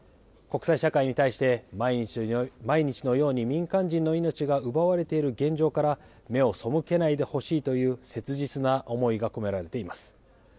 国際社会に対して、毎日のように、民間人の命が奪われている現状から、目を背けないでほしいという切実な思いが込められています。